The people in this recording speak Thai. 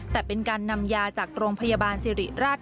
แต่เป็นการนำยาจากโรงพยาบาลสิริราช